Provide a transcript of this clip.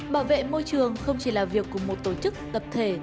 bảo vệ môi trường không chỉ là việc của một tổ chức tập thể